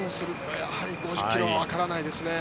やはり５０ｋｍはわからないですね。